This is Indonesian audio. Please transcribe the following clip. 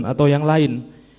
atau yang lain